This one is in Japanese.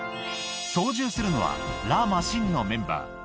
操縦するのは、ラ・マシンのメンバー。